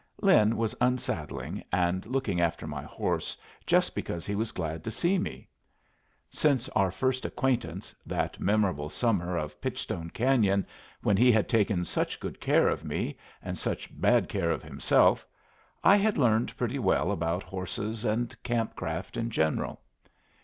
Lin was unsaddling and looking after my horse, just because he was glad to see me. Since our first acquaintance, that memorable summer of Pitchstone Canyon when he had taken such good care of me and such bad care of himself, I had learned pretty well about horses and camp craft in general.